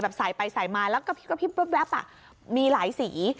ใส่ไปใส่มาแล้วก็กระพริบมีหลายสี